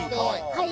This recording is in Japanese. はい